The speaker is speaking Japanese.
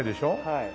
はい。